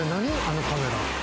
あのカメラ。